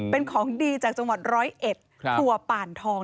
เป็นของดีจากจังหวัด๑๐๑ถั่วป่านทอง